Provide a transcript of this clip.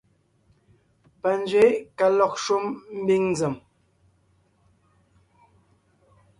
Panzwě ka lɔg shúm ḿbiŋ nzèm.